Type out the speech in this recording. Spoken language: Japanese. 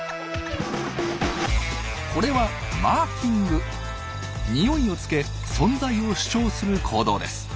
これは匂いをつけ存在を主張する行動です。